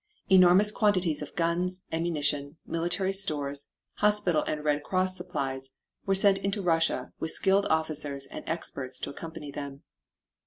Enormous quantities of guns, ammunition, military stores, hospital and Red Cross supplies, were sent into Russia, with skilled officers and experts to accompany them.